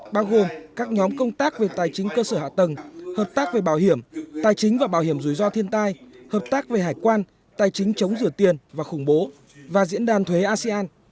bao gồm các nhóm công tác về tài chính cơ sở hạ tầng hợp tác về bảo hiểm tài chính và bảo hiểm rủi ro thiên tai hợp tác về hải quan tài chính chống rửa tiền và khủng bố và diễn đàn thuế asean